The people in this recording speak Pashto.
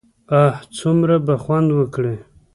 اه څومره به خوند وکړي.